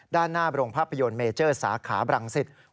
ด้านหน้าพระโยนเมเจอร์ศาขาบรังสิต